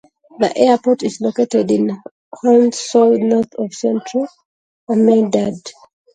The airport is located in Hansol, north of central Ahmedabad.